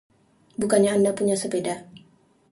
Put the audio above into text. Bukannya Anda punya sepeda?